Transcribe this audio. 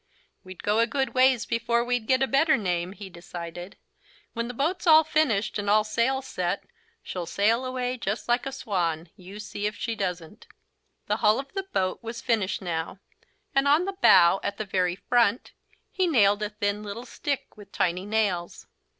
"We'd go a good ways before we'd get a better name," he decided. "When the boat's all finished and all sails set, she'll sail away just like a swan; you see if she doesn't." The hull of the boat was finished now, and on the bow, at the very front, he nailed a thin little stick, with tiny nails.